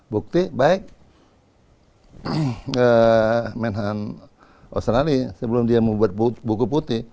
bukti baik ke menhan australia sebelum dia membuat buku putih